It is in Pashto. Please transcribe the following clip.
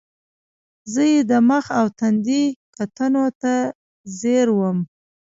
زۀ ئې د مخ او تندي کوتونو ته زیر ووم ـ